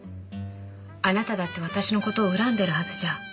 あなただって私の事を恨んでるはずじゃ。